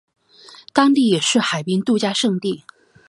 当地也是海滨度假胜地。